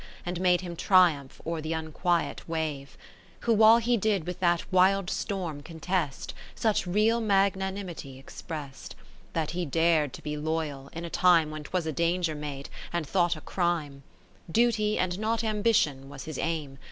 nd made him triumph o'er th' un quiet wave : Who while he did with that wild storm contest, Such real magnanimity exprest, That he dar'd to be loyal, in a time When 'twas a danger made, and thought a crime : 20 Duty, and not Ambition, was his aim.